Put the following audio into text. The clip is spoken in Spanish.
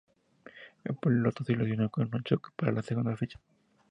El piloto se lesionó en un choque para la segunda fecha.